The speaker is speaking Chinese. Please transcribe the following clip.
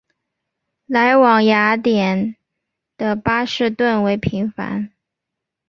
来往雅典的巴士颇为频繁。